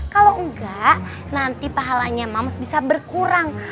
kalau enggak nanti pahalanya mames bisa berkurang